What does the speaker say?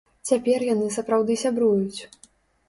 Цяпер яны сапраўды сябруюць.